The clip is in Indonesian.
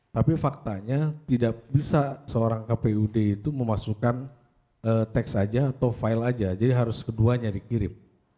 tapi faktanya tidak bisa seorang kpud itu memasukkan teks aja atau file aja jadi harus keduanya dikirim